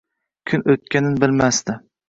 Kun o’tganin bilmasdi.